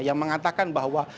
yang mengatakan bahwa